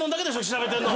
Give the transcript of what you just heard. ⁉調べてんの！